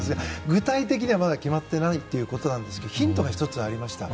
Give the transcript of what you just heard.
具体的にはまだ決まっていないということだったんですけどヒントが１つありました。